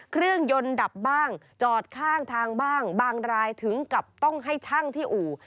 เครื่องยนต์ดับบ้างจอดข้างทางบ้างบางรายถึงกับต้องให้ช่างที่อู่